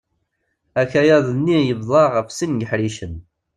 Akayad-nni yebḍa ɣef sin n yiḥricen.